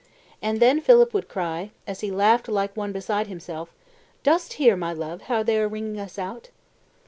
And then Philip would cry, as he laughed like one beside himself, 'Dost hear, my love, how they are ringing us out?